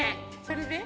それで？